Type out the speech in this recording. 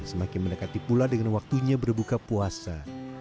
semakin mendekati pula dengan waktunya berbuka puasa